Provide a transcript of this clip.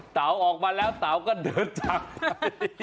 เต๋าออกมาแล้วเต๋าก็เดินจากไป